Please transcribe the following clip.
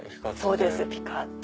そうですピカっと。